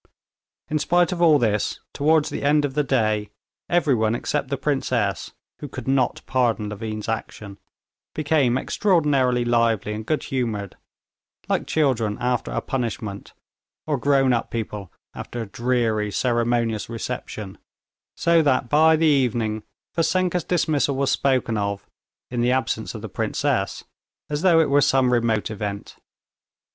In spite of all this, towards the end of that day, everyone except the princess, who could not pardon Levin's action, became extraordinarily lively and good humored, like children after a punishment or grown up people after a dreary, ceremonious reception, so that by the evening Vassenka's dismissal was spoken of, in the absence of the princess, as though it were some remote event.